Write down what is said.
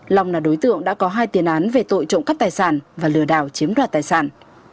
long là đối tượng đã có hai tiền án về tội trộm cắp tài sản và lừa đảo chiếm đoạt tài sản